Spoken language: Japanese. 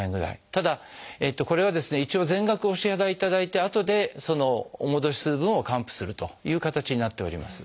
ただこれはですね一度全額お支払いいただいてあとでお戻しする分を還付するという形になっております。